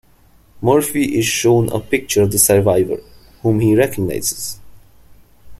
Murphy is shown a picture of the survivor, whom he recognizes.